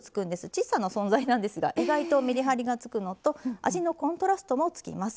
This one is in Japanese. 小さな存在なんですが意外とめりはりがつくのと味のコントラストもつきます。